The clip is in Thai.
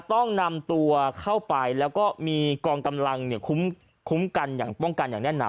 ต้องนำตัวเข้าไปแล้วก็มีกองกำลังคุ้มกันอย่างป้องกันอย่างแน่นหนา